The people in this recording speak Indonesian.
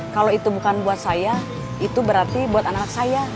kalau itu bukan buat saya itu berarti buat anak anak saya